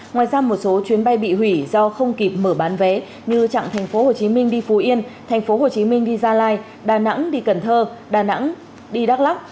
ngoài ra một số chuyến bay bị hủy do không kịp mở bán vé như chặng tp hcm đi phú yên tp hcm đi gia lai đà nẵng đi cần thơ đà nẵng đi đắk lắc